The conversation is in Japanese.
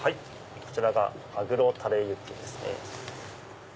こちらがマグロタレユッケですね。